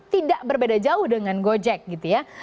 tidak berbeda jauh dengan gojek gitu ya